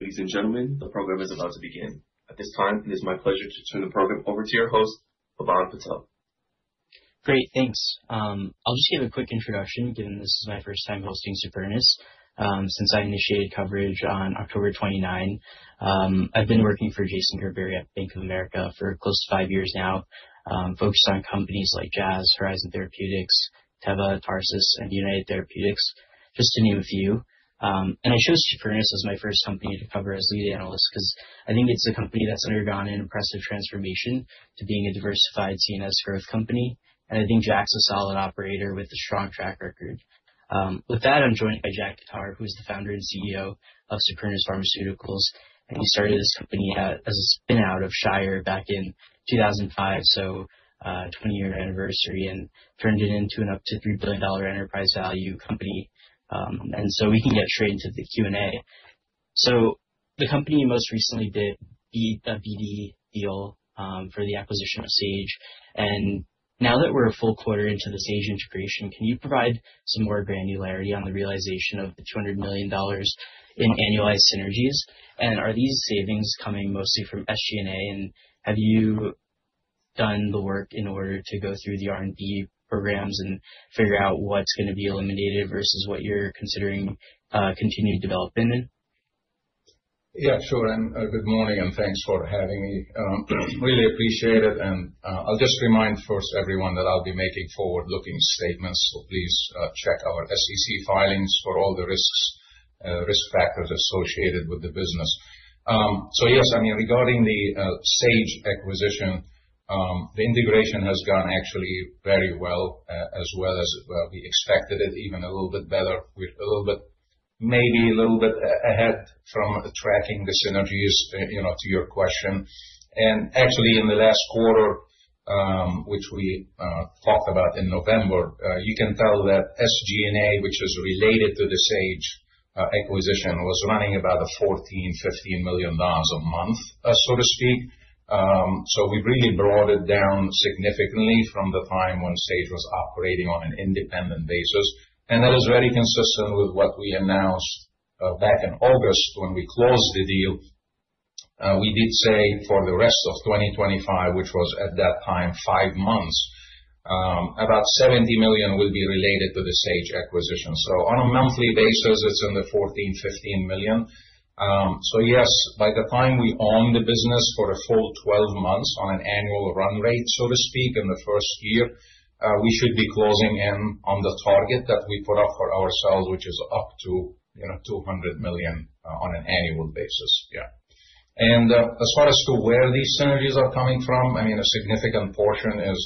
Ladies and gentlemen, the program is about to begin. At this time, it is my pleasure to turn the program over to your host, Pavan Patel. Great, thanks. I'll just give a quick introduction, given this is my first time hosting Supernus. Since I initiated coverage on October 29, I've been working for Jason Gerberry at Bank of America for close to five years now, focused on companies like Jazz, Horizon Therapeutics, Teva, Tarsus, and United Therapeutics, just to name a few. I chose Supernus as my first company to cover as lead analyst because I think it's a company that's undergone an impressive transformation to being a diversified CNS growth company. I think Jack's a solid operator with a strong track record. With that, I'm joined by Jack Khattar, who is the Founder and CEO of Supernus Pharmaceuticals. And he started this company as a spin-out of Shire back in 2005, so 20-year anniversary, and turned it into an up to $3 billion enterprise value company. We can get straight into the Q&A. So the company most recently did a BD deal for the acquisition of Sage. And now that we're a full quarter into the Sage integration, can you provide some more granularity on the realization of the $200 million in annualized synergies? And are these savings coming mostly from SG&A? And have you done the work in order to go through the R&D programs and figure out what's going to be eliminated versus what you're considering continued development in? Yeah, sure. And good morning, and thanks for having me. Really appreciate it. And I'll just remind first everyone that I'll be making forward-looking statements. So please check our SEC filings for all the risk factors associated with the business. So yes, I mean, regarding the Sage acquisition, the integration has gone actually very well, as well as we expected it, even a little bit better, maybe a little bit ahead from tracking the synergies to your question. And actually, in the last quarter, which we talked about in November, you can tell that SG&A, which is related to the Sage acquisition, was running about $14 million-$15 million a month, so to speak. We've really brought it down significantly from the time when Sage was operating on an independent basis. And that is very consistent with what we announced back in August when we closed the deal. We did say for the rest of 2025, which was at that time five months, about $70 million will be related to the Sage acquisition. So on a monthly basis, it's in the $14 million-$15 million. So yes, by the time we own the business for a full 12 months on an annual run rate, so to speak, in the first year, we should be closing in on the target that we put up for ourselves, which is up to $200 million on an annual basis. Yeah. And as far as to where these synergies are coming from, I mean, a significant portion is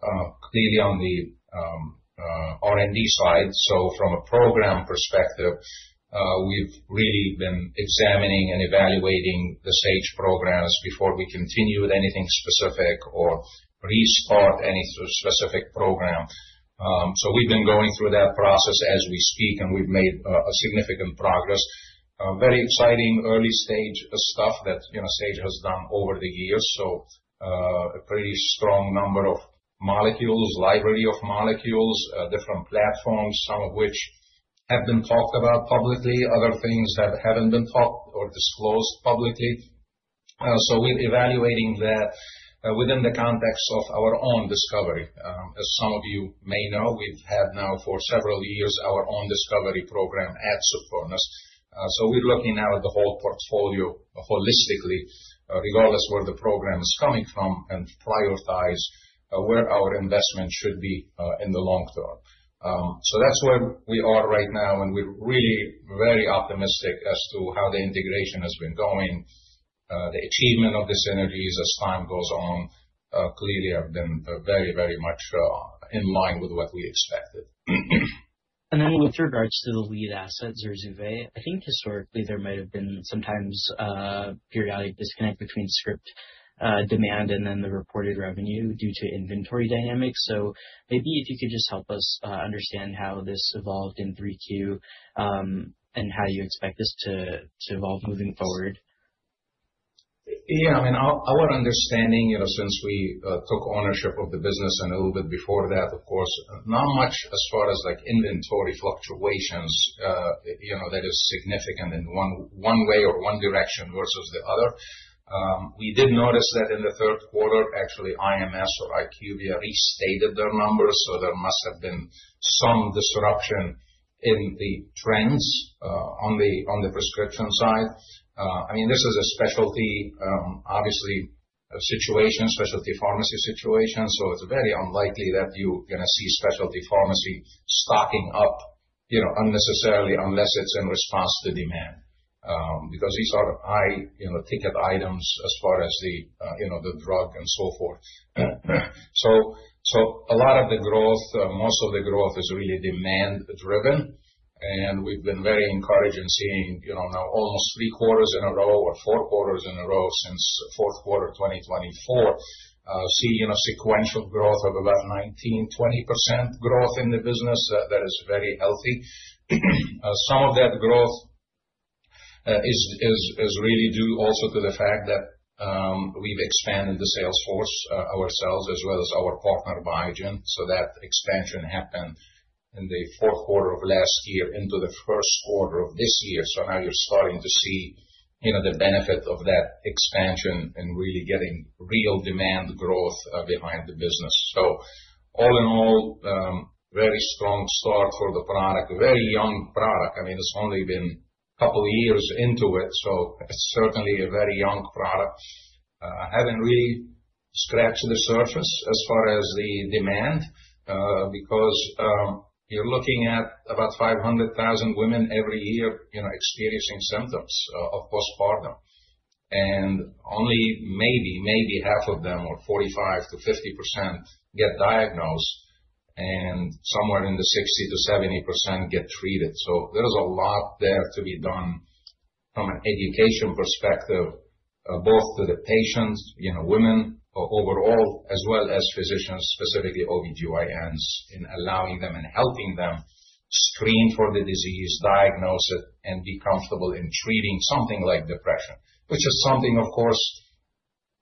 clearly on the R&D side. So from a program perspective, we've really been examining and evaluating the Sage programs before we continue with anything specific or restart any specific program. We've been going through that process as we speak, and we've made significant progress. Very exciting early-stage stuff that Sage has done over the years. So a pretty strong number of molecules, library of molecules, different platforms, some of which have been talked about publicly, other things that haven't been talked or disclosed publicly. We're evaluating that within the context of our own discovery. As some of you may know, we've had now for several years our own discovery program at Supernus. We're looking now at the whole portfolio holistically, regardless of where the program is coming from, and prioritize where our investment should be in the long term. So that's where we are right now, and we're really very optimistic as to how the integration has been going. The achievement of the synergies as time goes on clearly have been very, very much in line with what we expected. And then with regards to the lead asset, ZURZUVAE, I think historically there might have been sometimes periodic disconnect between script demand and then the reported revenue due to inventory dynamics. So maybe if you could just help us understand how this evolved in 3Q and how you expect this to evolve moving forward? Yeah, I mean, our understanding since we took ownership of the business and a little bit before that, of course, not much as far as inventory fluctuations that is significant in one way or one direction versus the other. We did notice that in the third quarter, actually, IMS or IQVIA restated their numbers. So there must have been some disruption in the trends on the prescription side. I mean, this is a specialty, obviously, situation, specialty pharmacy situation. So it's very unlikely that you're going to see specialty pharmacy stocking up unnecessarily unless it's in response to demand because these are high-ticket items as far as the drug and so forth. A lot of the growth, most of the growth is really demand-driven. We've been very encouraged in seeing now almost three quarters in a row or four quarters in a row since fourth quarter 2024, seeing a sequential growth of about 19%-20% growth in the business. That is very healthy. Some of that growth is really due also to the fact that we've expanded the sales force ourselves as well as our partner Biogen. That expansion happened in the fourth quarter of last year into the first quarter of this year. Now you're starting to see the benefit of that expansion and really getting real demand growth behind the business. All in all, very strong start for the product, a very young product. I mean, it's only been a couple of years into it. It's certainly a very young product. Haven't really scratched the surface as far as the demand because you're looking at about 500,000 women every year experiencing symptoms of postpartum, and only maybe, maybe half of them or 45%-50% get diagnosed and somewhere in the 60%-70% get treated, so there is a lot there to be done from an education perspective, both to the patients, women overall, as well as physicians, specifically OB-GYNs, in allowing them and helping them screen for the disease, diagnose it, and be comfortable in treating something like depression, which is something, of course,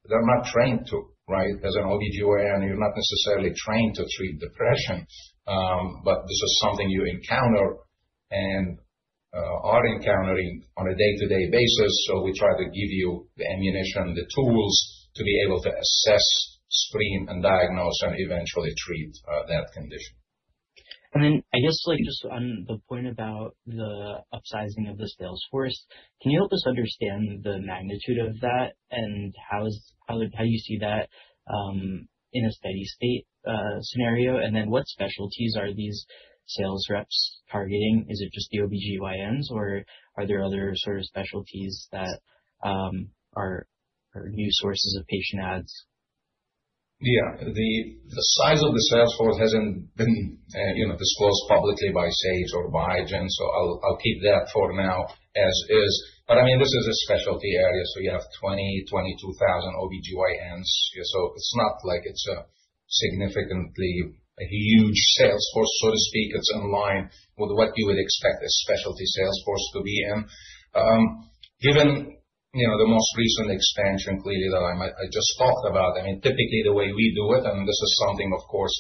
they're not trained to, right? As an OB-GYN, you're not necessarily trained to treat depression, but this is something you encounter and are encountering on a day-to-day basis, so we try to give you the ammunition, the tools to be able to assess, screen, and diagnose, and eventually treat that condition. And then I guess just on the point about the upsizing of the sales force, can you help us understand the magnitude of that and how you see that in a steady-state scenario? And then what specialties are these sales reps targeting? Is it just the OB-GYNs, or are there other sort of specialties that are new sources of patient adds? Yeah. The size of the sales force hasn't been disclosed publicly by Sage or Biogen. I'll keep that for now as is. But I mean, this is a specialty area. So you have 20,000-22,000 OB-GYNs. So it's not like it's a significantly huge sales force, so to speak. It's in line with what you would expect a specialty sales force to be in. Given the most recent expansion clearly that I just talked about, I mean, typically the way we do it, and this is something, of course,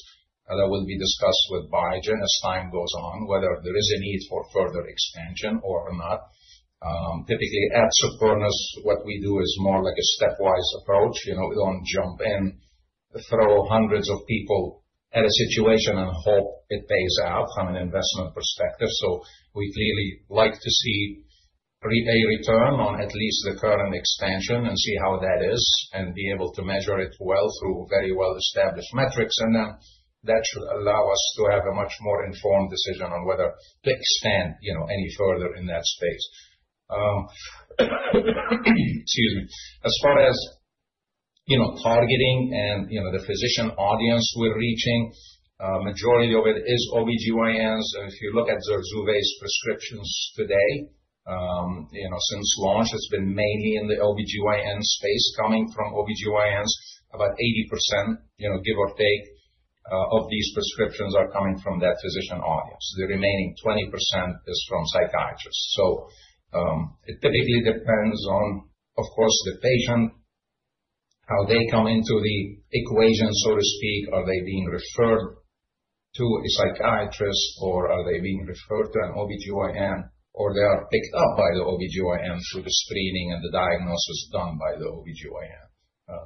that will be discussed with Biogen as time goes on, whether there is a need for further expansion or not. Typically, at Supernus, what we do is more like a stepwise approach. We don't jump in, throw hundreds of people at a situation and hope it pays out from an investment perspective. We clearly like to see a return on at least the current expansion and see how that is and be able to measure it well through very well-established metrics. And then that should allow us to have a much more informed decision on whether to expand any further in that space. Excuse me. As far as targeting and the physician audience we're reaching, the majority of it is OB-GYNs. And if you look at ZURZUVAE's prescriptions today, since launch, it's been mainly in the OB-GYN space coming from OB-GYNs. About 80%, give or take, of these prescriptions are coming from that physician audience. The remaining 20% is from psychiatrists. So it typically depends on, of course, the patient, how they come into the equation, so to speak. Are they being referred to a psychiatrist, or are they being referred to an OB-GYN, or they are picked up by the OB-GYN through the screening and the diagnosis done by the OB-GYN?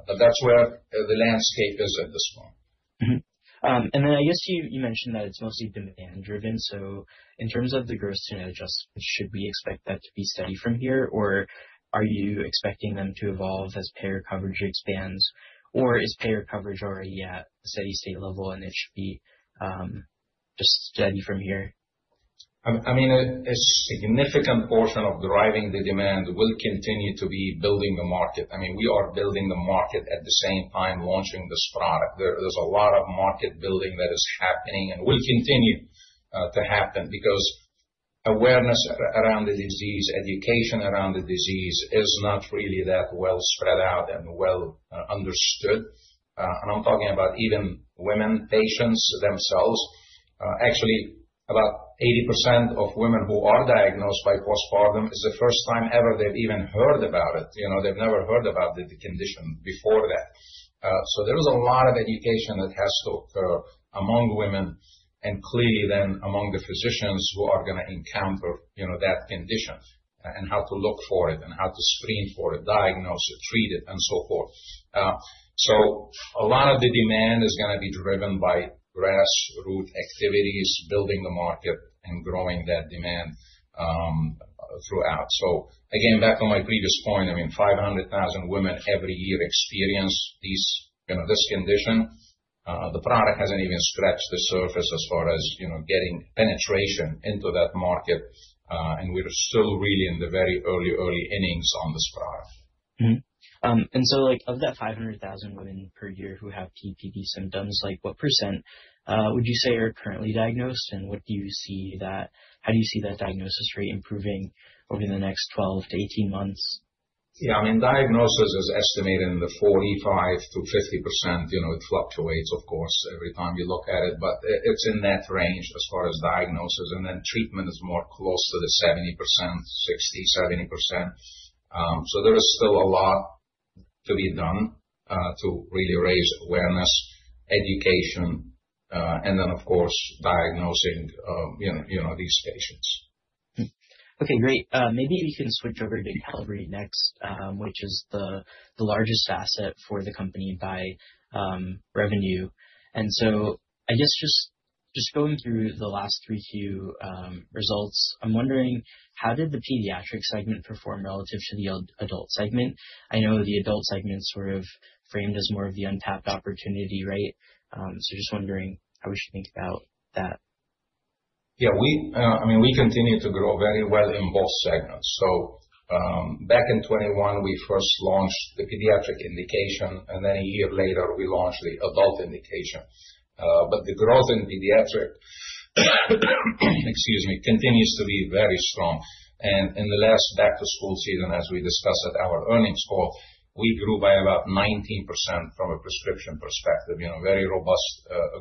But that's where the landscape is at this point. And then I guess you mentioned that it's mostly demand-driven. So in terms of the growth scenario, should we expect that to be steady from here, or are you expecting them to evolve as payer coverage expands? Or is payer coverage already at a steady-state level, and it should be just steady from here? I mean, a significant portion of driving the demand will continue to be building the market. I mean, we are building the market at the same time launching this product. There's a lot of market building that is happening and will continue to happen because awareness around the disease, education around the disease is not really that well spread out and well understood, and I'm talking about even women patients themselves. Actually, about 80% of women who are diagnosed with postpartum is the first time ever they've even heard about it. They've never heard about the condition before that. So there is a lot of education that has to occur among women and clearly then among the physicians who are going to encounter that condition and how to look for it and how to screen for it, diagnose it, treat it, and so forth. A lot of the demand is going to be driven by grassroots activities, building the market, and growing that demand throughout. So again, back on my previous point, I mean, 500,000 women every year experience this condition. The product hasn't even scratched the surface as far as getting penetration into that market. And we're still really in the very early, early innings on this product. And so of that 500,000 women per year who have PPD symptoms, what percent would you say are currently diagnosed? And how do you see that diagnosis rate improving over the next 12-18 months? Yeah. I mean, diagnosis is estimated in the 45%-50%. It fluctuates, of course, every time you look at it, but it's in that range as far as diagnosis. And then treatment is more close to the 60%-70%. So there is still a lot to be done to really raise awareness, education, and then, of course, diagnosing these patients. Okay. Great. Maybe we can switch over to Qelbree next, which is the largest asset for the company by revenue, and so I guess just going through the last 3Q results, I'm wondering, how did the pediatric segment perform relative to the adult segment? I know the adult segment is sort of framed as more of the untapped opportunity, right, so just wondering how we should think about that. Yeah. I mean, we continue to grow very well in both segments. So back in 2021, we first launched the pediatric indication, and then a year later, we launched the adult indication. But the growth in pediatric, excuse me, continues to be very strong. And in the last back-to-school season, as we discussed at our earnings call, we grew by about 19% from a prescription perspective, very robust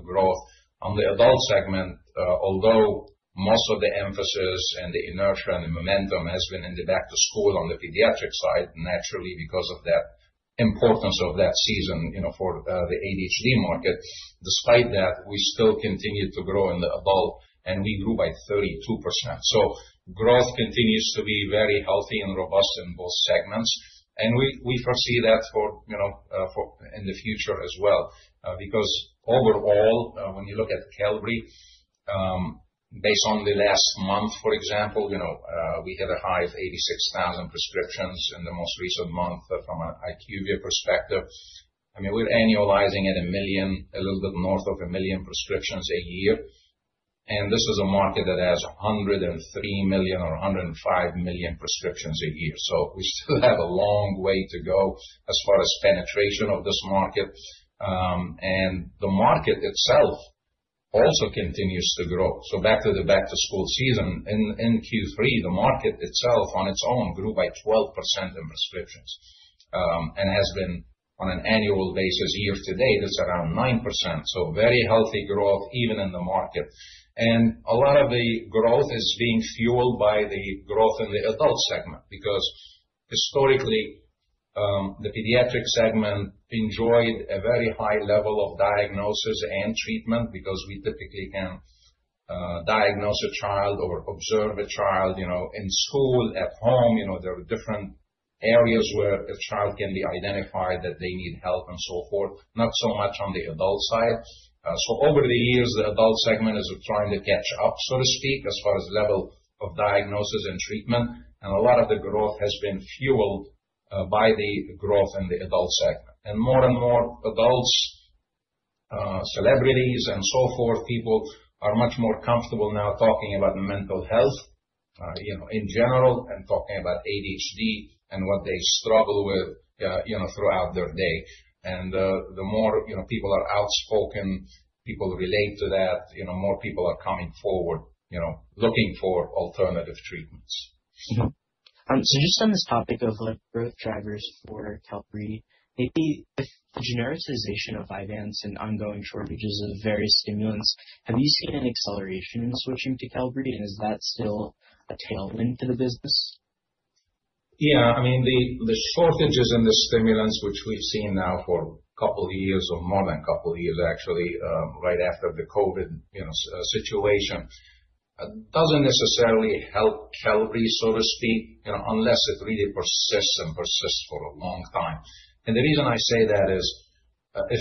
growth on the adult segment, although most of the emphasis and the inertia and the momentum has been in the back-to-school on the pediatric side, naturally, because of that importance of that season for the ADHD market. Despite that, we still continue to grow in the adult, and we grew by 32%. So growth continues to be very healthy and robust in both segments. And we foresee that in the future as well because overall, when you look at Qelbree, based on the last month, for example, we had a high of 86,000 prescriptions in the most recent month from an IQVIA perspective. I mean, we're annualizing at 1 million, a little bit north of 1 million prescriptions a year. And this is a market that has 103 million or 105 million prescriptions a year. We still have a long way to go as far as penetration of this market. And the market itself also continues to grow. So back to the back-to-school season, in Q3, the market itself on its own grew by 12% in prescriptions and has been on an annual basis year to date, it's around 9%. So very healthy growth even in the market. And a lot of the growth is being fueled by the growth in the adult segment because historically, the pediatric segment enjoyed a very high level of diagnosis and treatment because we typically can diagnose a child or observe a child in school, at home. There are different areas where a child can be identified that they need help and so forth, not so much on the adult side. Over the years, the adult segment is trying to catch up, so to speak, as far as level of diagnosis and treatment. And a lot of the growth has been fueled by the growth in the adult segment. And more and more adults, celebrities, and so forth, people are much more comfortable now talking about mental health in general and talking about ADHD and what they struggle with throughout their day. The more people are outspoken, people relate to that. More people are coming forward looking for alternative treatments. Just on this topic of growth drivers for Qelbree, maybe with the genericization of Vyvanse and ongoing shortages of various stimulants, have you seen an acceleration in switching to Qelbree, and is that still a tailwind to the business? Yeah. I mean, the shortages and the stimulants, which we've seen now for a couple of years or more than a couple of years, actually, right after the COVID situation, doesn't necessarily help Qelbree, so to speak, unless it really persists and persists for a long time. And the reason I say that is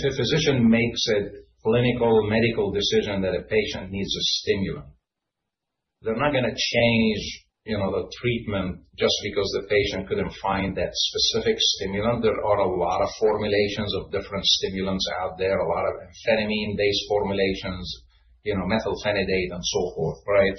if a physician makes a clinical medical decision that a patient needs a stimulant, they're not going to change the treatment just because the patient couldn't find that specific stimulant. There are a lot of formulations of different stimulants out there, a lot of amphetamine-based formulations, methylphenidate, and so forth, right?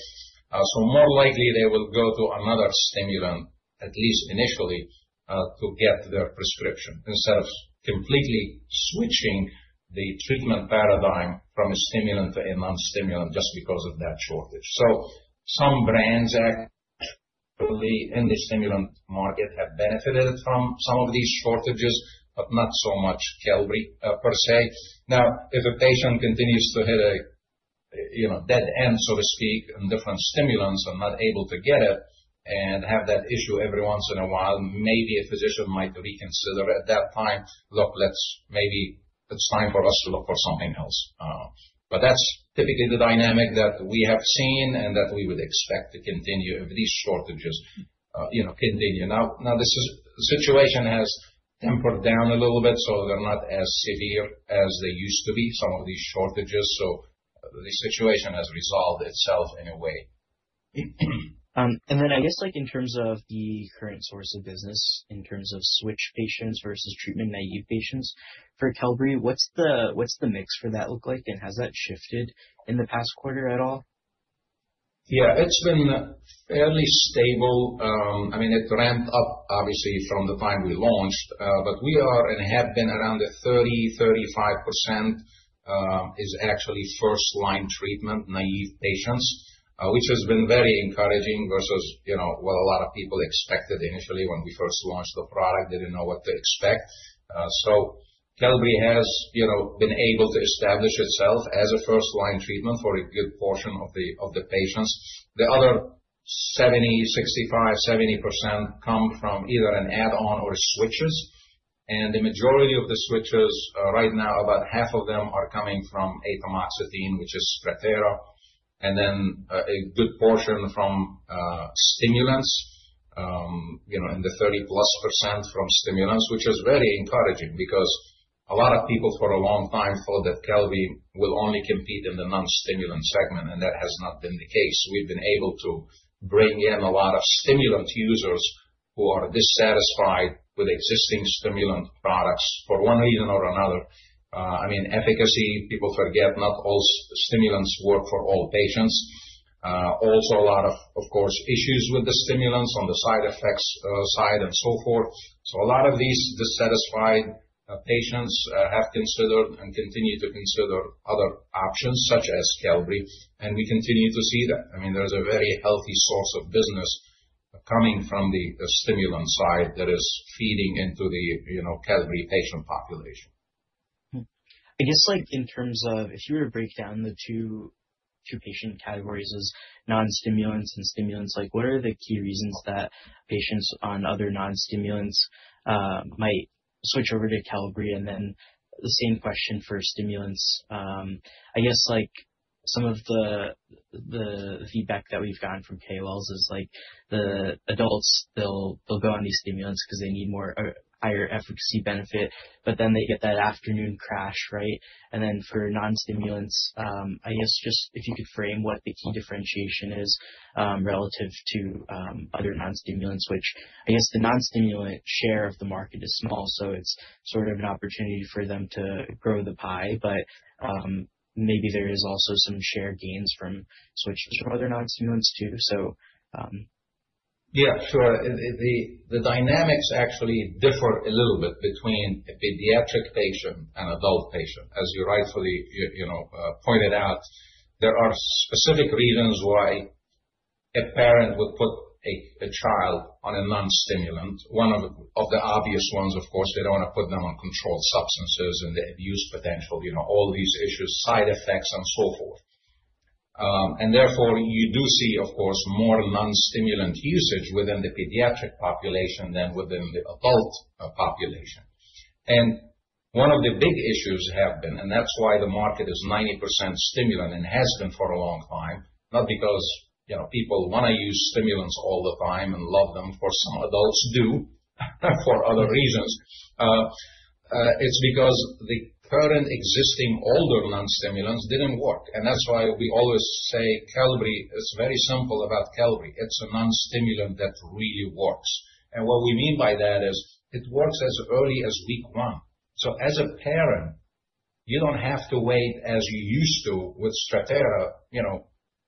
So more likely, they will go to another stimulant, at least initially, to get their prescription instead of completely switching the treatment paradigm from a stimulant to a non-stimulant just because of that shortage. Some brands actually in the stimulant market have benefited from some of these shortages, but not so much Qelbree per se. Now, if a patient continues to hit a dead end, so to speak, and different stimulants are not able to get it and have that issue every once in a while, maybe a physician might reconsider at that time, "Look, maybe it's time for us to look for something else." But that's typically the dynamic that we have seen and that we would expect to continue if these shortages continue. Now, this situation has tempered down a little bit, so they're not as severe as they used to be, some of these shortages. So the situation has resolved itself in a way. And then I guess in terms of the current source of business, in terms of switch patients versus treatment-naïve patients, for Qelbree, what's the mix for that look like, and has that shifted in the past quarter at all? Yeah. It's been fairly stable. I mean, it ramped up, obviously, from the time we launched, but we are and have been around 30%-35% is actually first-line treatment-naive patients, which has been very encouraging versus what a lot of people expected initially when we first launched the product. They didn't know what to expect. Qelbree has been able to establish itself as a first-line treatment for a good portion of the patients. The other 65%-70% come from either an add-on or switches. And the majority of the switches right now, about half of them are coming from atomoxetine, which is Strattera, and then a good portion from stimulants, in the +30% from stimulants, which is very encouraging because a lot of people for a long time thought that Qelbree will only compete in the non-stimulant segment, and that has not been the case. We've been able to bring in a lot of stimulant users who are dissatisfied with existing stimulant products for one reason or another. I mean, efficacy, people forget not all stimulants work for all patients. Also, a lot of, of course, issues with the stimulants on the side effects side and so forth. So a lot of these dissatisfied patients have considered and continue to consider other options such as Qelbree, and we continue to see that. I mean, there's a very healthy source of business coming from the stimulant side that is feeding into the Qelbree patient population. I guess in terms of if you were to break down the two patient categories as non-stimulants and stimulants, what are the key reasons that patients on other non-stimulants might switch over to Qelbree? And then the same question for stimulants. I guess some of the feedback that we've gotten from KOLs is the adults, they'll go on these stimulants because they need a higher efficacy benefit, but then they get that afternoon crash, right? And then for non-stimulants, I guess just if you could frame what the key differentiation is relative to other non-stimulants, which I guess the non-stimulant share of the market is small, so it's sort of an opportunity for them to grow the pie, but maybe there is also some share gains from switches from other non-stimulants too, so. Yeah. Sure. The dynamics actually differ a little bit between a pediatric patient and adult patient. As you rightfully pointed out, there are specific reasons why a parent would put a child on a non-stimulant. One of the obvious ones, of course, they don't want to put them on controlled substances and the abuse potential, all these issues, side effects, and so forth. And therefore, you do see, of course, more non-stimulant usage within the pediatric population than within the adult population. And one of the big issues have been, and that's why the market is 90% stimulant and has been for a long time, not because people want to use stimulants all the time and love them, for some adults do for other reasons. It's because the current existing older non-stimulants didn't work. And that's why we always say Qelbree is very simple about Qelbree. It's a non-stimulant that really works, and what we mean by that is it works as early as week one, so as a parent, you don't have to wait as you used to with Strattera,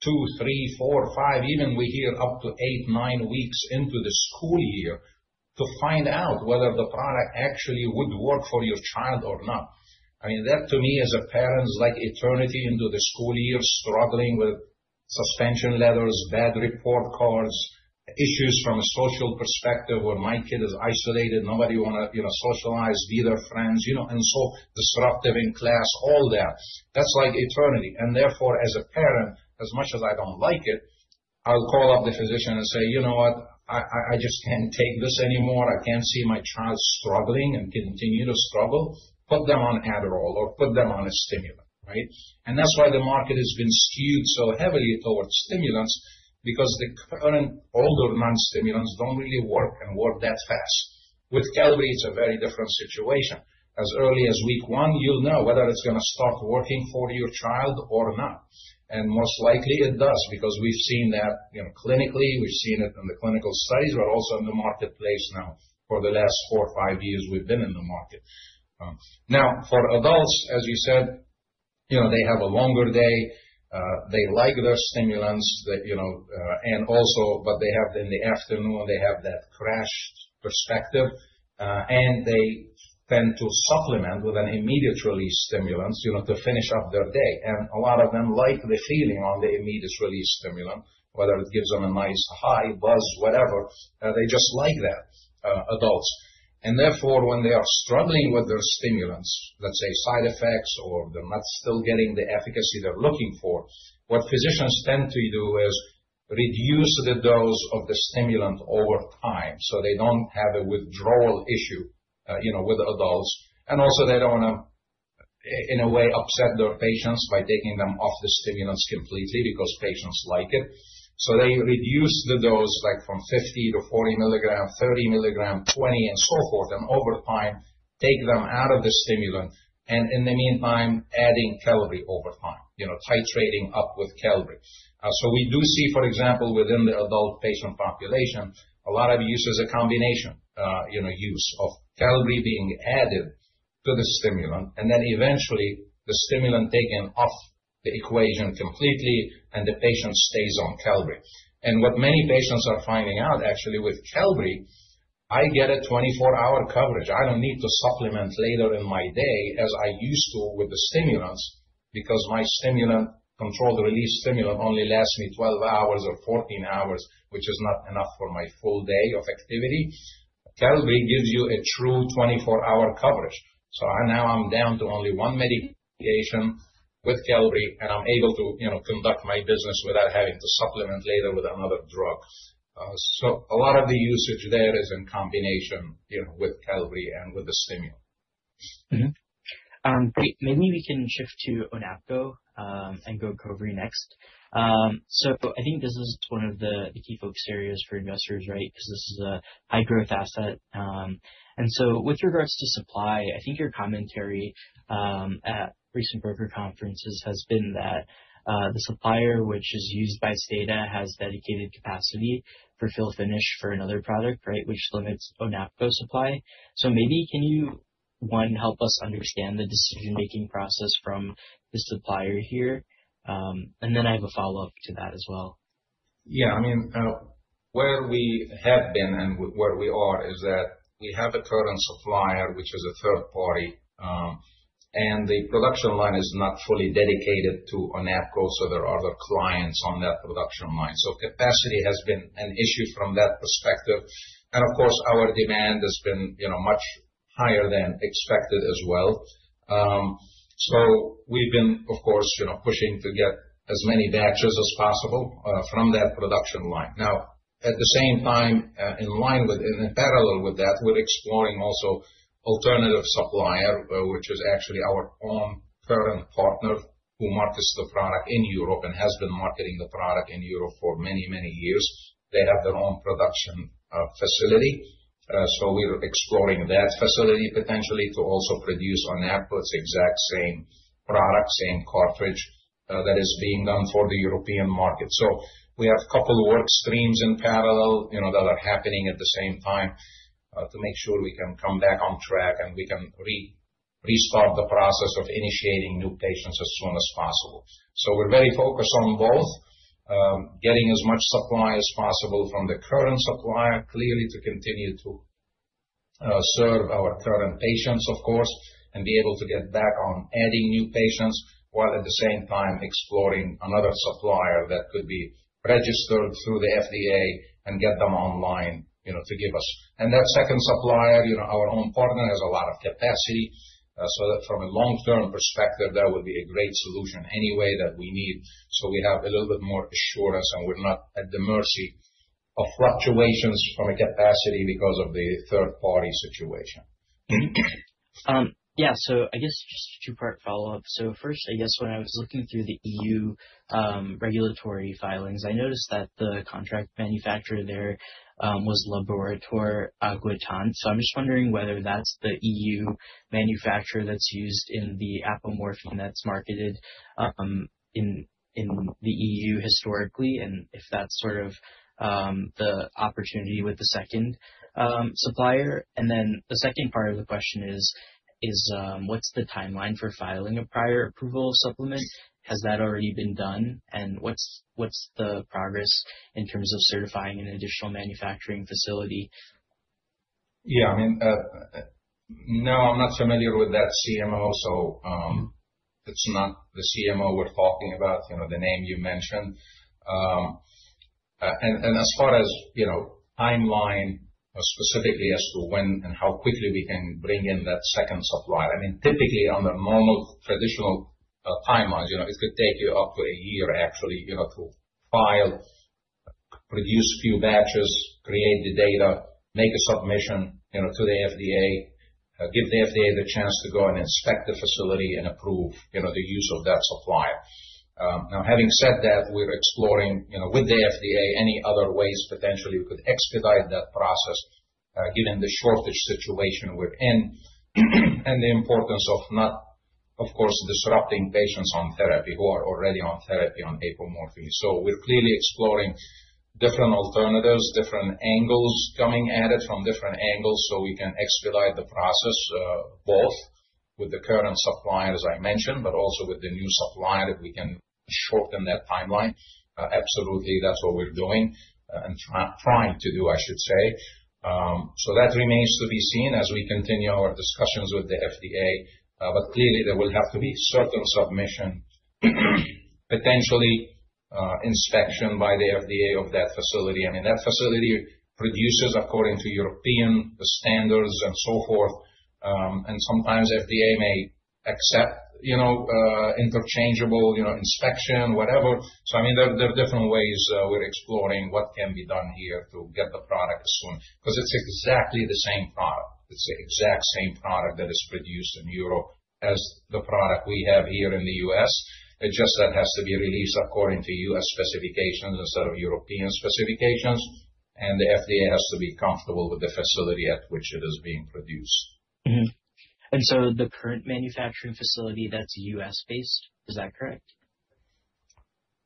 two, three, four, five, even we hear up to eight, nine weeks into the school year to find out whether the product actually would work for your child or not. I mean, that to me as a parent is like eternity into the school year struggling with suspension letters, bad report cards, issues from a social perspective where my kid is isolated, nobody want to socialize, be their friends, and so disruptive in class, all that. That's like eternity, and therefore, as a parent, as much as I don't like it, I'll call up the physician and say, "You know what? I just can't take this anymore. I can't see my child struggling and continue to struggle. Put them on Adderall or put them on a stimulant," right? And that's why the market has been skewed so heavily towards stimulants because the current older non-stimulants don't really work and work that fast. With Qelbree, it's a very different situation. As early as week one, you'll know whether it's going to start working for your child or not. And most likely, it does because we've seen that clinically. We've seen it in the clinical studies, but also in the marketplace now for the last four or five years we've been in the market. Now, for adults, as you said, they have a longer day. They like their stimulants, and also, but they have in the afternoon, they have that crash perspective, and they tend to supplement with an immediate-release stimulant to finish up their day. And a lot of them like the feeling on the immediate-release stimulant, whether it gives them a nice high, buzz, whatever. They just like that, adults. And therefore, when they are struggling with their stimulants, let's say side effects or they're not still getting the efficacy they're looking for, what physicians tend to do is reduce the dose of the stimulant over time so they don't have a withdrawal issue with adults. And also, they don't want to, in a way, upset their patients by taking them off the stimulants completely because patients like it. So they reduce the dose from 50 to 40 milligram, 30 milligram, 20, and so forth, and over time, take them out of the stimulant and in the meantime, adding Qelbree over time, titrating up with Qelbree. We do see, for example, within the adult patient population, a lot of use as a combination use of Qelbree being added to the stimulant, and then eventually, the stimulant taken off the equation completely, and the patient stays on Qelbree. And what many patients are finding out actually with Qelbree, I get a 24-hour coverage. I don't need to supplement later in my day as I used to with the stimulants because my stimulant controlled-release stimulant only lasts me 12 hours or 14 hours, which is not enough for my full day of activity. Qelbree gives you a true 24-hour coverage. So now I'm down to only one medication with Qelbree, and I'm able to conduct my business without having to supplement later with another drug. So a lot of the usage there is in combination with Qelbree and with the stimulant. Great. Maybe we can shift to APOKYN and GOCOVRI next. I think this is one of the key focus areas for investors, right, because this is a high-growth asset. And so with regards to supply, I think your commentary at recent broker conferences has been that the supplier, which is used by STADA, has dedicated capacity for fill-finish for another product, right, which limits APOKYN supply. So maybe can you, one, help us understand the decision-making process from the supplier here? And then I have a follow-up to that as well. Yeah. I mean, where we have been and where we are is that we have a current supplier, which is a third party, and the production line is not fully dedicated to APOKYN, so there are other clients on that production line. So capacity has been an issue from that perspective. And of course, our demand has been much higher than expected as well. We've been, of course, pushing to get as many batches as possible from that production line. Now, at the same time, in parallel with that, we're exploring also an alternative supplier, which is actually our own current partner who markets the product in Europe and has been marketing the product in Europe for many, many years. They have their own production facility. We're exploring that facility potentially to also produce APOKYN's exact same product, same cartridge that is being done for the European market. We have a couple of work streams in parallel that are happening at the same time to make sure we can come back on track and we can restart the process of initiating new patients as soon as possible. We're very focused on both, getting as much supply as possible from the current supplier, clearly to continue to serve our current patients, of course, and be able to get back on adding new patients while at the same time exploring another supplier that could be registered through the FDA and get them online to give us. And that second supplier, our own partner, has a lot of capacity. So from a long-term perspective, that would be a great solution anyway that we need. We have a little bit more assurance, and we're not at the mercy of fluctuations from a capacity because of the third-party situation. Yeah. I guess just a two-part follow-up. So first, I guess when I was looking through the EU regulatory filings, I noticed that the contract manufacturer there was Laboratoire Aguettant. I'm just wondering whether that's the EU manufacturer that's used in the apomorphine that's marketed in the EU historically and if that's sort of the opportunity with the second supplier. And then the second part of the question is, what's the timeline for filing a Prior Approval Supplement? Has that already been done? And what's the progress in terms of certifying an additional manufacturing facility? Yeah. I mean, no, I'm not familiar with that CMO, so it's not the CMO we're talking about, the name you mentioned, and as far as timeline, specifically as to when and how quickly we can bring in that second supplier, I mean, typically, under normal traditional timelines, it could take you up to a year, actually, to file, produce few batches, create the data, make a submission to the FDA, give the FDA the chance to go and inspect the facility and approve the use of that supplier. Now, having said that, we're exploring with the FDA any other ways potentially we could expedite that process given the shortage situation we're in and the importance of not, of course, disrupting patients on therapy who are already on therapy on apomorphine. We're clearly exploring different alternatives, different angles coming at it from different angles so we can expedite the process both with the current supplier, as I mentioned, but also with the new supplier that we can shorten that timeline. Absolutely, that's what we're doing and trying to do, I should say. So that remains to be seen as we continue our discussions with the FDA. But clearly, there will have to be certain submission, potentially inspection by the FDA of that facility. I mean, that facility produces according to European standards and so forth. And sometimes FDA may accept interchangeable inspection, whatever. I mean, there are different ways we're exploring what can be done here to get the product soon because it's exactly the same product. It's the exact same product that is produced in Europe as the product we have here in the U.S.. It just has to be released according to U.S. specifications instead of European specifications, and the FDA has to be comfortable with the facility at which it is being produced. The current manufacturing facility, that's U.S.-based. Is that correct?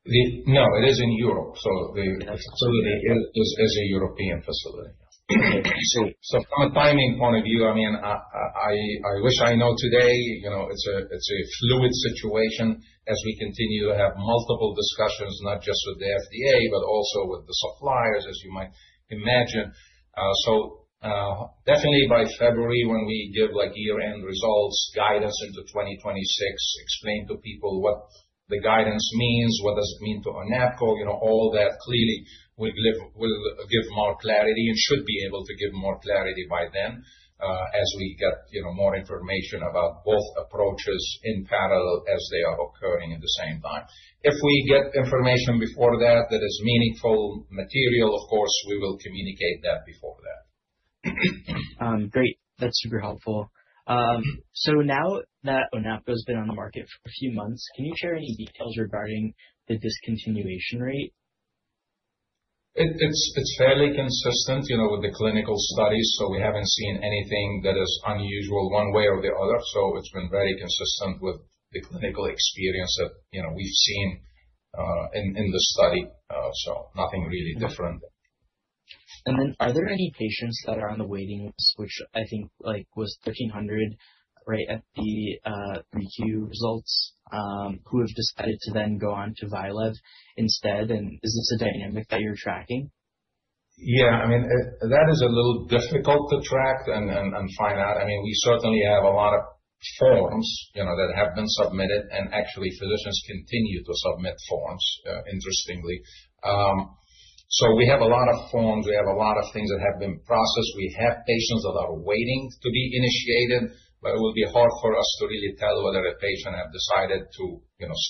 No, it is in Europe. So the facility is a European facility. So from a timing point of view, I mean, I wish I knew today it's a fluid situation as we continue to have multiple discussions, not just with the FDA, but also with the suppliers, as you might imagine. So definitely by February, when we give year-end results, guidance into 2026, explain to people what the guidance means, what does it mean to APOKYN, all that, clearly, will give more clarity and should be able to give more clarity by then as we get more information about both approaches in parallel as they are occurring at the same time. If we get information before that that is meaningful material, of course, we will communicate that before that. Great. That's super helpful. So now that APOKYN has been on the market for a few months, can you share any details regarding the discontinuation rate? It's fairly consistent with the clinical studies. We haven't seen anything that is unusual one way or the other. It's been very consistent with the clinical experience that we've seen in the study. Nothing really different. Then are there any patients that are on the waiting list, which I think was 1,300 right at the Q3 results, who have decided to then go on to VYALEV instead? Is this a dynamic that you're tracking? Yeah. I mean, that is a little difficult to track and find out. I mean, we certainly have a lot of forms that have been submitted, and actually, physicians continue to submit forms, interestingly. We have a lot of forms. We have a lot of things that have been processed. We have patients that are waiting to be initiated, but it will be hard for us to really tell whether a patient has decided to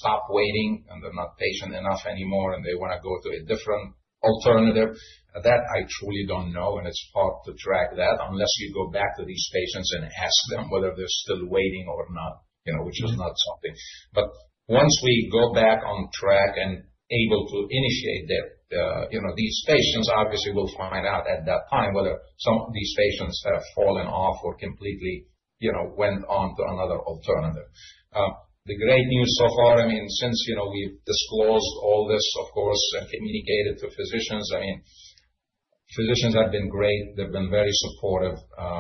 stop waiting and they're not patient enough anymore and they want to go to a different alternative. That I truly don't know, and it's hard to track that unless you go back to these patients and ask them whether they're still waiting or not, which is not something. Once we go back on track and able to initiate these patients, obviously, we'll find out at that time whether some of these patients have fallen off or completely went on to another alternative. The great news so far, I mean, since we've disclosed all this, of course, and communicated to physicians, I mean, physicians have been great. They've been very supportive.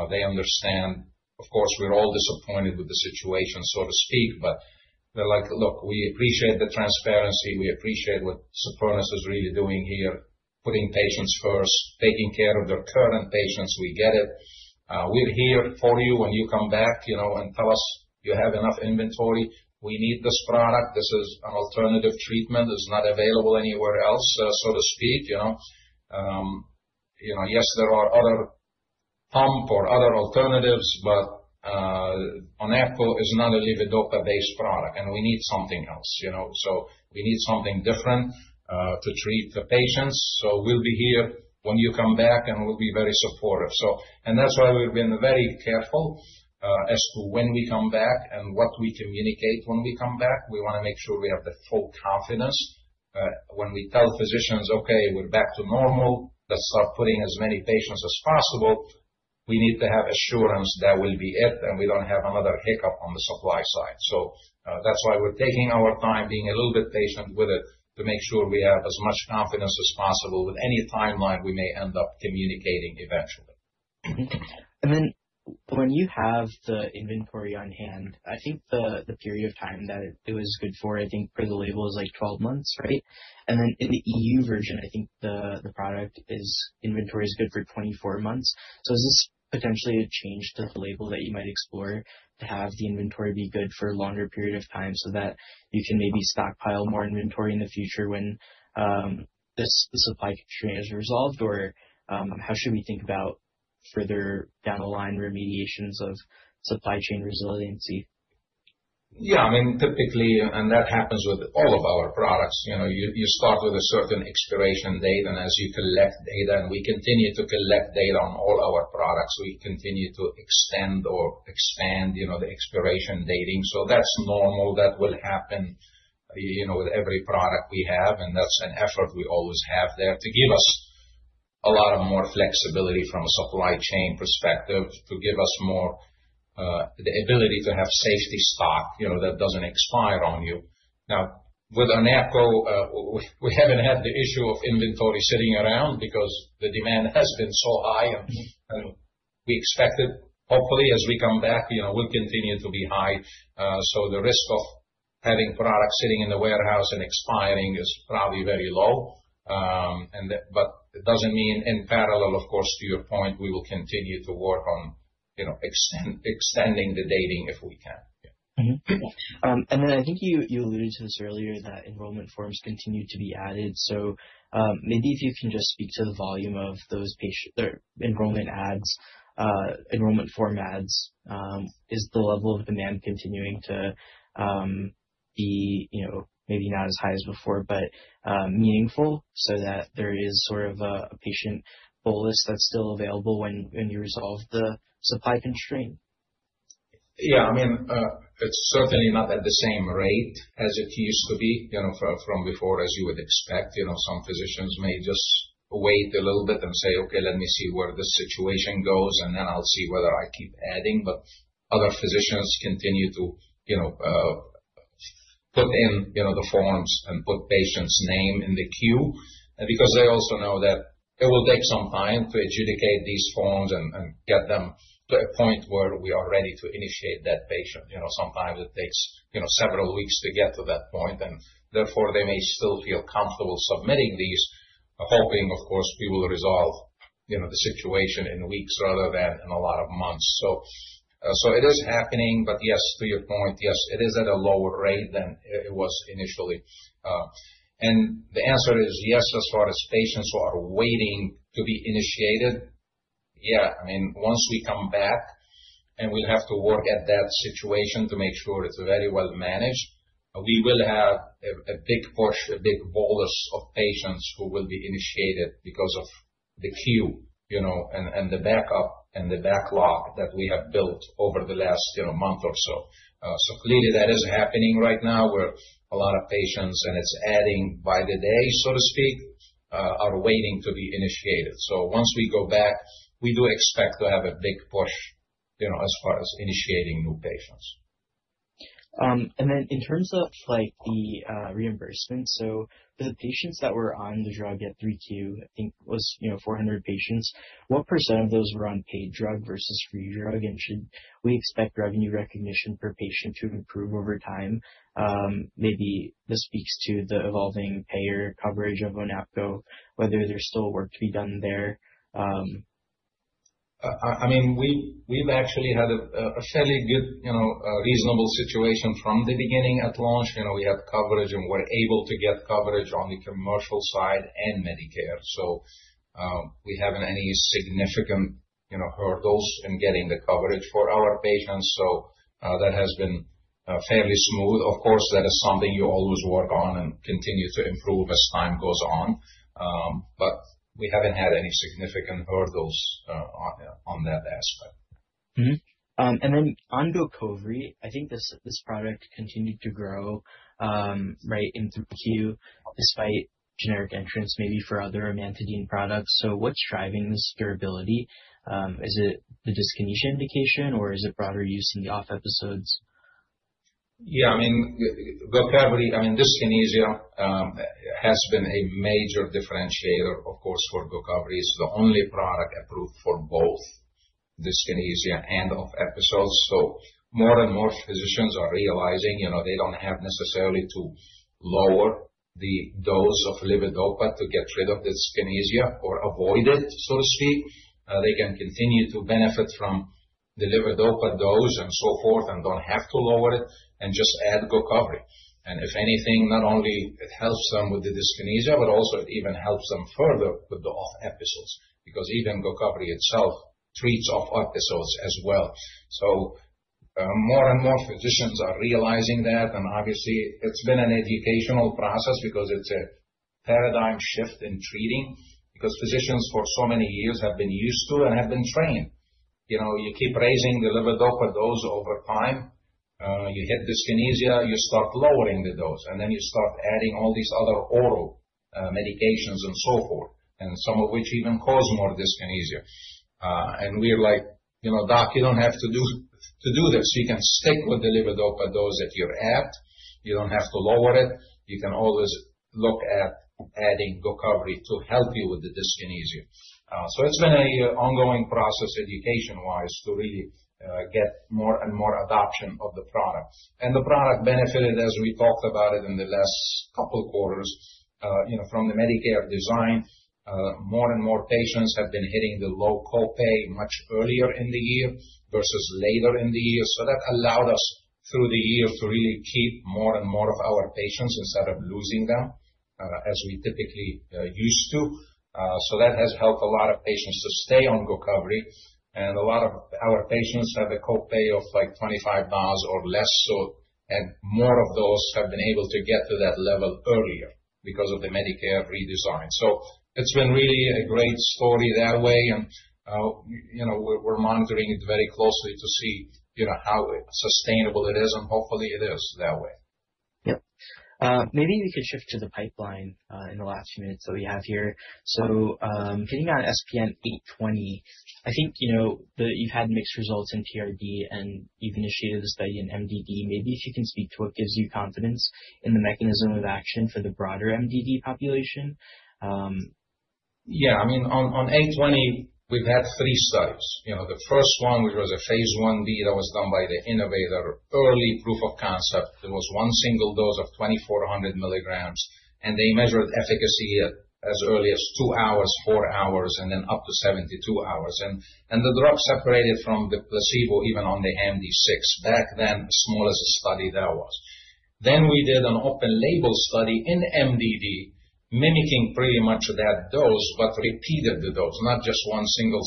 They understand. Of course, we're all disappointed with the situation, so to speak, but they're like, "Look, we appreciate the transparency. We appreciate what Supernus is really doing here, putting patients first, taking care of their current patients. We get it. We're here for you when you come back and tell us you have enough inventory. We need this product. This is an alternative treatment. It's not available anywhere else, so to speak." Yes, there are other pump or other alternatives, but APOKYN is not a levodopa-based product, and we need something else. So we need something different to treat the patients. We'll be here when you come back, and we'll be very supportive. And that's why we've been very careful as to when we come back and what we communicate when we come back. We want to make sure we have the full confidence. When we tell physicians, "Okay, we're back to normal. Let's start putting as many patients as possible." We need to have assurance that will be it, and we don't have another hiccup on the supply side. So that's why we're taking our time, being a little bit patient with it to make sure we have as much confidence as possible with any timeline we may end up communicating eventually. And then when you have the inventory on hand, I think the period of time that it was good for, I think, for the label is like 12 months, right? And then in the EU version, I think the product inventory is good for 24 months. So is this potentially a change to the label that you might explore to have the inventory be good for a longer period of time so that you can maybe stockpile more inventory in the future when the supply constraint is resolved? Or how should we think about further down the line remediations of supply chain resiliency? Yeah. I mean, typically, and that happens with all of our products. You start with a certain expiration date, and as you collect data and we continue to collect data on all our products, we continue to extend or expand the expiration dating. So that's normal. That will happen with every product we have. And that's an effort we always have there to give us a lot more flexibility from a supply chain perspective, to give us more the ability to have safety stock that doesn't expire on you. Now, with APOKYN, we haven't had the issue of inventory sitting around because the demand has been so high. And we expected, hopefully, as we come back, we'll continue to be high. So the risk of having products sitting in the warehouse and expiring is probably very low. But it doesn't mean, in parallel, of course, to your point, we will continue to work on extending the dating if we can. And then I think you alluded to this earlier, that enrollment forms continue to be added. So maybe if you can just speak to the volume of those enrollment form adds, is the level of demand continuing to be maybe not as high as before but meaningful so that there is sort of a patient bolus that's still available when you resolve the supply constraint? Yeah. I mean, it's certainly not at the same rate as it used to be from before, as you would expect. Some physicians may just wait a little bit and say, "Okay, let me see where the situation goes, and then I'll see whether I keep adding." But other physicians continue to put in the forms and put patients' names in the queue because they also know that it will take some time to adjudicate these forms and get them to a point where we are ready to initiate that patient. Sometimes it takes several weeks to get to that point. And therefore, they may still feel comfortable submitting these, hoping, of course, we will resolve the situation in weeks rather than in a lot of months. So it is happening. But yes, to your point, yes, it is at a lower rate than it was initially. And the answer is yes, as far as patients who are waiting to be initiated. Yeah. I mean, once we come back, and we'll have to work at that situation to make sure it's very well managed, we will have a big push, a big bolus of patients who will be initiated because of the queue and the backup and the backlog that we have built over the last month or so. Clearly, that is happening right now, where a lot of patients, and it's adding by the day, so to speak, are waiting to be initiated. So once we go back, we do expect to have a big push as far as initiating new patients. And then in terms of the reimbursement, so for the patients that were on the drug at 3Q, I think it was 400 patients, what percentage of those were on paid drug versus free drug? And should we expect revenue recognition per patient to improve over time? Maybe this speaks to the evolving payer coverage of APOKYN, whether there's still work to be done there. I mean, we've actually had a fairly good, reasonable situation from the beginning at launch. We have coverage, and we're able to get coverage on the commercial side and Medicare. We haven't had any significant hurdles in getting the coverage for our patients. So that has been fairly smooth. Of course, that is something you always work on and continue to improve as time goes on. But we haven't had any significant hurdles on that aspect. Then on GOCOVRI, I think this product continued to grow right in 3Q despite generic entry maybe for other amantadine products. So what's driving this durability? Is it the dyskinesia indication, or is it broader use in the OFF episodes? Yeah. I mean, GOCOVRI, I mean, dyskinesia has been a major differentiator, of course, for GOCOVRI. It's the only product approved for both dyskinesia and OFF episodes. So more and more physicians are realizing they don't have necessarily to lower the dose of levodopa to get rid of the dyskinesia or avoid it, so to speak. They can continue to benefit from the levodopa dose and so forth and don't have to lower it and just add GOCOVRI. And if anything, not only it helps them with the dyskinesia, but also it even helps them further with the OFF episodes because even GOCOVRI itself treats OFF episodes as well. So more and more physicians are realizing that. And obviously, it's been an educational process because it's a paradigm shift in treating because physicians for so many years have been used to and have been trained. You keep raising the levodopa dose over time. You hit dyskinesia, you start lowering the dose. And then you start adding all these other oral medications and so forth, and some of which even cause more dyskinesia. And we're like, "Doc, you don't have to do this. You can stick with the levodopa dose that you're at. You don't have to lower it. You can always look at adding GOCOVRI to help you with the dyskinesia." So it's been an ongoing process education-wise to really get more and more adoption of the product. And the product benefited, as we talked about it in the last couple of quarters, from the Medicare design. More and more patients have been hitting the low copay much earlier in the year versus later in the year. So that allowed us through the years to really keep more and more of our patients instead of losing them as we typically used to. So that has helped a lot of patients to stay on GOCOVRI. And a lot of our patients have a copay of like $25 or less. So more of those have been able to get to that level earlier because of the Medicare redesign. So it's been really a great story that way. And we're monitoring it very closely to see how sustainable it is. And hopefully, it is that way. Yep. Maybe we could shift to the pipeline in the last few minutes that we have here. So getting on SPN-820, I think you've had mixed results in TRD, and you've initiated a study in MDD. Maybe if you can speak to what gives you confidence in the mechanism of action for the broader MDD population. Yeah. I mean, on SPN-820, we've had three studies. The first one, which was a Phase 1b that was done by the innovator, early proof of concept. It was one single dose of 2,400 milligrams. And they measured efficacy as early as two hours, four hours, and then up to 72 hours. And the drug separated from the placebo even on the HAM-D6. Back then, smallest study that was. Then we did an open-label study in MDD mimicking pretty much that dose but repeated the dose, not just one single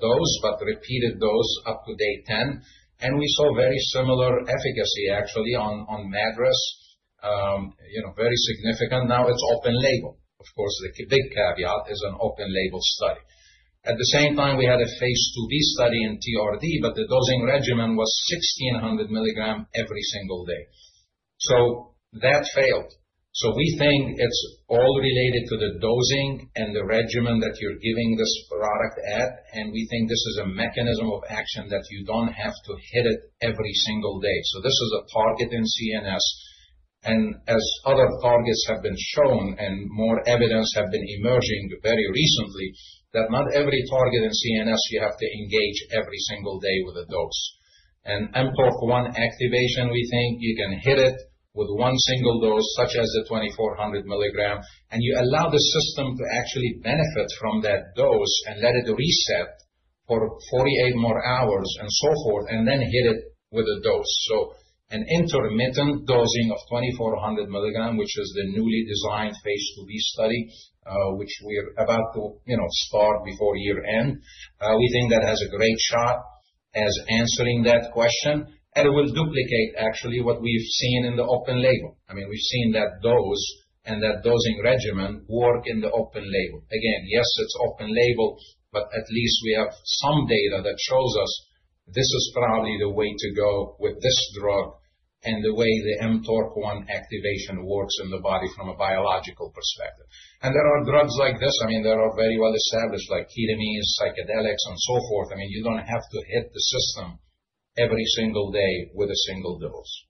dose, but repeated dose up to day 10. And we saw very similar efficacy, actually, on MADRS, very significant. Now it's open-label. Of course, the big caveat is an open-label study. At the same time, we had a Phase 2b study in TRD, but the dosing regimen was 1,600 milligrams every single day. So that failed. We think it's all related to the dosing and the regimen that you're giving this product at. And we think this is a mechanism of action that you don't have to hit it every single day. So this is a target in CNS. And as other targets have been shown and more evidence has been emerging very recently, that not every target in CNS you have to engage every single day with a dose. And mTORC1 activation, we think you can hit it with one single dose, such as the 2,400 milligram, and you allow the system to actually benefit from that dose and let it reset for 48 more hours and so forth, and then hit it with a dose. An intermittent dosing of 2,400 milligram, which is the newly designed Phase 2b study, which we're about to start before year-end, we think that has a great shot as answering that question. It will duplicate, actually, what we've seen in the open-label. I mean, we've seen that dose and that dosing regimen work in the open-label. Again, yes, it's open-label, but at least we have some data that shows us this is probably the way to go with this drug and the way the mTORC1 activation works in the body from a biological perspective. There are drugs like this. I mean, there are very well-established like ketamines, psychedelics, and so forth. You don't have to hit the system every single day with a single dose.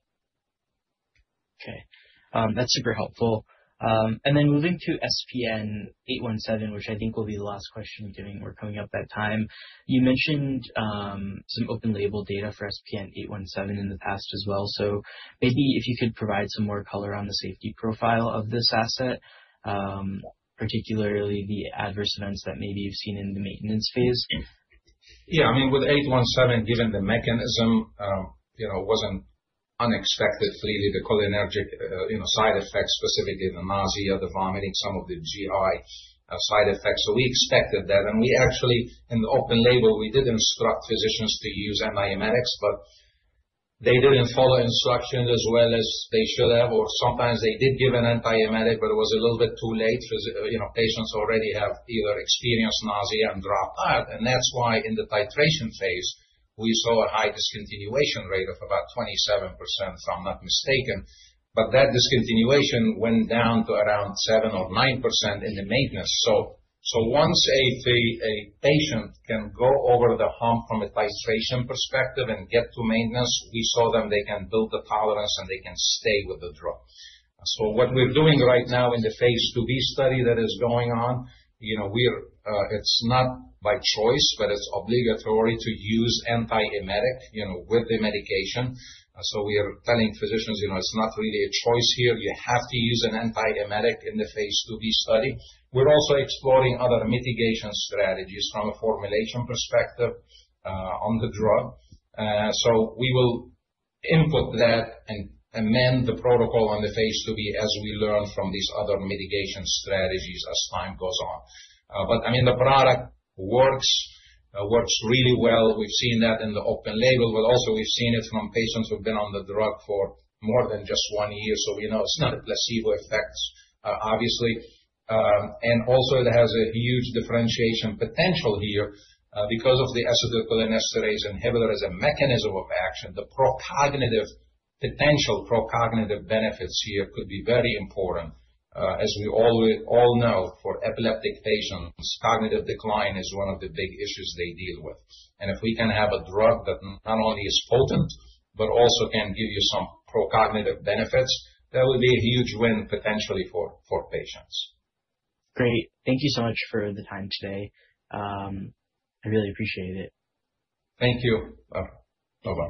Okay. That's super helpful. And then moving to SPN-817, which I think will be the last question we're doing. We're coming up at time. You mentioned some open-label data for SPN-817 in the past as well. So maybe if you could provide some more color on the safety profile of this asset, particularly the adverse events that maybe you've seen in the maintenance phase. Yeah. I mean, with 817, given the mechanism, it wasn't unexpected, really, the cholinergic side effects, specifically the nausea, the vomiting, some of the GI side effects. We expected that. And we actually, in the open-label, we did instruct physicians to use antiemetics, but they didn't follow instructions as well as they should have. Or sometimes they did give an antiemetic, but it was a little bit too late. Patients already have either experienced nausea and dropped out. And that's why in the titration phase, we saw a high discontinuation rate of about 27%, if I'm not mistaken. But that discontinuation went down to around 7% or 9% in the maintenance. Once a patient can go over the hump from a titration perspective and get to maintenance, we saw them they can build the tolerance and they can stay with the drug. What we're doing right now in the Phase 2b study that is going on, it's not by choice, but it's obligatory to use antiemetic with the medication. We are telling physicians, "It's not really a choice here. You have to use an antiemetic in the Phase 2b study." We're also exploring other mitigation strategies from a formulation perspective on the drug. We will input that and amend the protocol on the Phase 2b as we learn from these other mitigation strategies as time goes on. But I mean, the product works really well. We've seen that in the open-label, but also we've seen it from patients who've been on the drug for more than just one year. We know it's not a placebo effect, obviously. And also, it has a huge differentiation potential here because of the acetylcholinesterase inhibitor as a mechanism of action. The potential pro-cognitive benefits here could be very important. As we all know, for epileptic patients, cognitive decline is one of the big issues they deal with. And if we can have a drug that not only is potent but also can give you some pro-cognitive benefits, that would be a huge win potentially for patients. Great. Thank you so much for the time today. I really appreciate it. Thank you. Bye-bye. Bye-bye.